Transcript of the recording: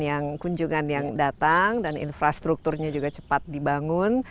dan yang kunjungan yang datang dan infrastrukturnya juga cepat dibangun